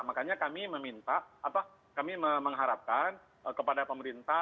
makanya kami meminta kami mengharapkan kepada pemerintah